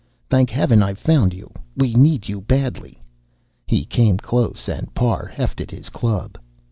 "Thank heaven I've found you we need you badly." He came close, and Parr hefted his club.